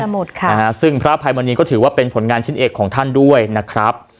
หมดค่ะนะฮะซึ่งพระอภัยมณีก็ถือว่าเป็นผลงานชิ้นเอกของท่านด้วยนะครับ